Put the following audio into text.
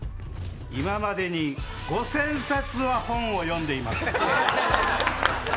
今までに５０００冊は本を読んでいます。